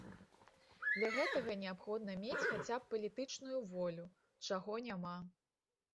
Для гэтага неабходна мець хаця б палітычную волю, чаго няма.